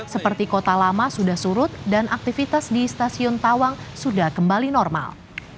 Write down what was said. seperti kota lama sudah surut dan aktivitas di stasiun tawang sudah kembali normal